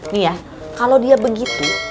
nih ya kalau dia begitu